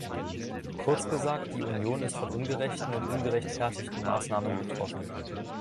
Kurz gesagt, die Union ist von ungerechten und ungerechtfertigten Maßnahmen betroffen.